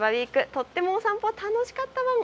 とってもお散歩楽しかったワン。